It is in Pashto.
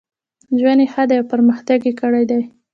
ژوند یې ښه دی او پرمختګ یې کړی دی.